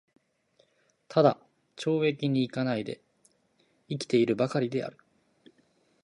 只懲役に行かないで生きて居る許りである。